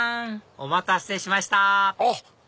お待たせしましたあっ！